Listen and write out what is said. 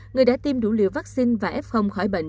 người đã tiêm đủ liều vaccine và f khỏi bệnh